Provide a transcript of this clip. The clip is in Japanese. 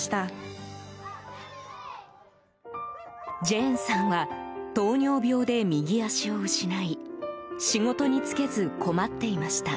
ジェーンさんは糖尿病で右足を失い仕事に就けず困っていました。